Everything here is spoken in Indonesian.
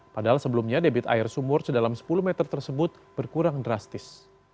padahal sebelumnya debit air sumur sedalam sepuluh meter tersebut berkurang drastis